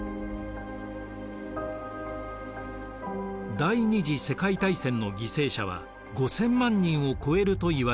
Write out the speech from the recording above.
第二次世界大戦の犠牲者は５，０００万人を超えるといわれています。